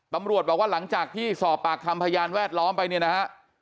ตำรวจบอกว่าหลังจากที่สอบปากคำพยานแวดล้อมไปเนี่ยนะฮะ